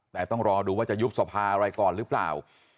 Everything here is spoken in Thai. แต่ต้องรอดูว่าจะยุบสภาอะไรก่อนหรือเปล่า